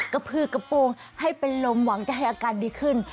กระพือกกระโปรงให้เป็นลมหวังจะให้อาการดีขึ้น